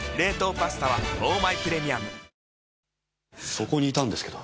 そこにいたんですけど。